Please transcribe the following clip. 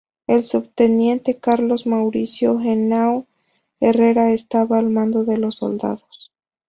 El subteniente Carlos Mauricio Henao Herrera estaba al mando de los soldados.